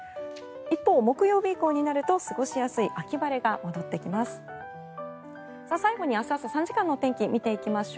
一方、木曜日以降になると過ごしやすい秋晴れが戻ってきます。